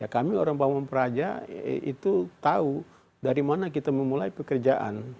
kami orang pawang peraja itu tahu dari mana kita memulai pekerjaan